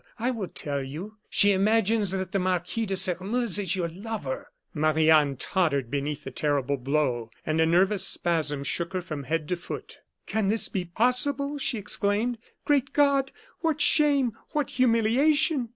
I will tell you: she imagines that the Marquis de Sairmeuse is your lover." Marie Anne tottered beneath the terrible blow, and a nervous spasm shook her from head to foot. "Can this be possible?" she exclaimed. "Great God! what shame! what humiliation!"